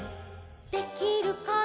「できるかな」